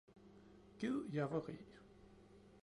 Gid jeg var rig!